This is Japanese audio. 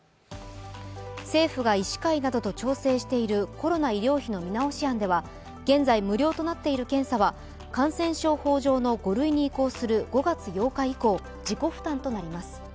政府が医師会などと調整しているコロナ医療費の見直し案では、現在無料となっている検査は感染症法上の５類に移行する５月８日以降、自己負担となります。